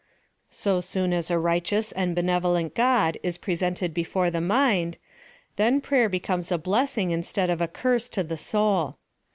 So soon as a righteous and benevolent God is presented before the mind, then prayer becomes a blessing kistead of a curse to the soul.